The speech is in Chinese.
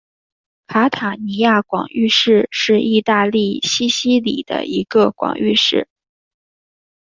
卡塔尼亚广域市是意大利西西里的一个广域市。